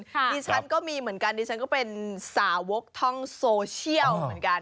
ดิฉันก็มีเหมือนกันดิฉันก็เป็นสาวกท่องโซเชียลเหมือนกัน